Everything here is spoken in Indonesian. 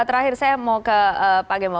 terakhir saya mau ke pak gembong